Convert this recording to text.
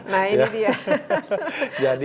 nah ini dia